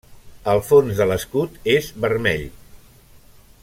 El fons de l'escut és vermell.